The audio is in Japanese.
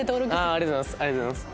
ありがとうございます。